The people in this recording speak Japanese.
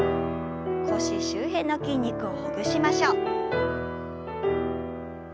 腰周辺の筋肉をほぐしましょう。